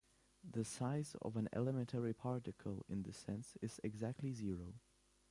The "size" of an elementary particle, in this sense, is exactly zero.